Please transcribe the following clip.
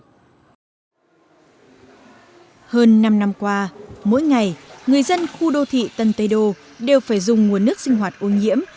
hơn năm năm qua mỗi ngày người dân khu đô thị tân tây đô đều phải dùng nguồn nước sinh hoạt ô nhiễm